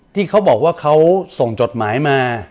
ที่เขาบอกว่าเขาส่งจดหมายมา